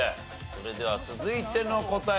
それでは続いての答え